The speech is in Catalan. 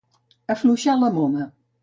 Afluixar la moma.